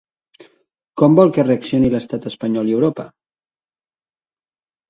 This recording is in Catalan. Com vol que reaccioni l'estat espanyol i Europa?